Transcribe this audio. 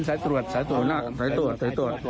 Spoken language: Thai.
สายตรวจสายตรวจ